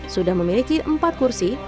sudah memiliki empat kursi